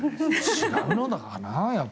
違うのかな。